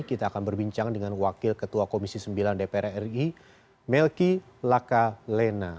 kita akan berbincang dengan wakil ketua komisi sembilan dpr ri melki laka lena